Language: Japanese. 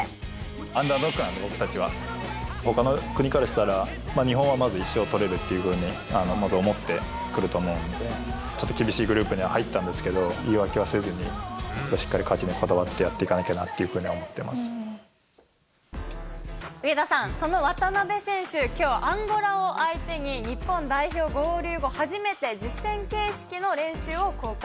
アンダードッグなんで、僕たちは、ほかの国からしたら、日本はまず１勝取れるというふうに、まず思って来ると思うんで、ちょっと厳しいグループには入ったんですけど、言い訳はせずに、しっかり勝ちにこだわってやって上田さん、その渡邊選手、きょう、アンゴラを相手に日本代表合流後、初めて実戦形式の練習を公開。